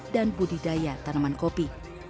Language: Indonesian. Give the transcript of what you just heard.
dan budidaya tanaman kopi